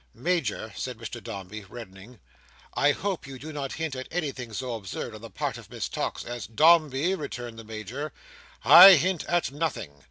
"Major," said Mr Dombey, reddening, "I hope you do not hint at anything so absurd on the part of Miss Tox as—" "Dombey," returned the Major, "I hint at nothing.